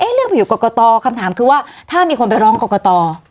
เอ๊ะเรื่องผิวกรกกตอคำถามคือว่าถ้ามีคนไปร้องกรกกตอ